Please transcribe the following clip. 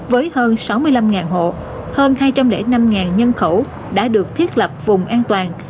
với hơn sáu mươi năm hộ hơn hai trăm linh năm nhân khẩu đã được thiết lập vùng an toàn